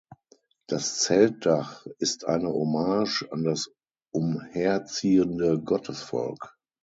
Das Zeltdach ist eine Hommage an das umherziehende Gottesvolk.